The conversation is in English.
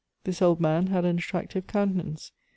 This old man had an attractive countenance.